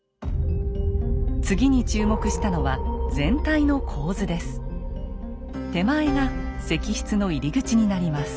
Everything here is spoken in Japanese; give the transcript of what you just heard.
次に注目したのは手前が石室の入り口になります。